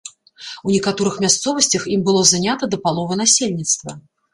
У некаторых мясцовасцях ім было занята да паловы насельніцтва.